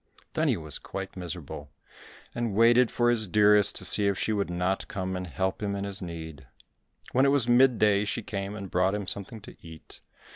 Then he was quite miserable, and waited for his dearest to see if she would not come and help him in his need. When it was mid day she came and brought him something to eat.